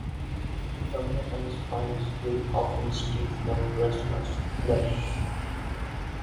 The metal spikes will often stick in a wrestler's flesh.